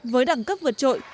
với đẳng cấp vượt trội